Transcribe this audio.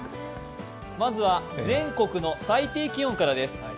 まずは全国の最低気温からです。